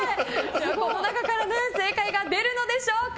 この中から正解が出るんでしょうか。